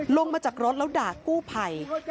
ลงมาจากรถแล้วด่ากู้ภัย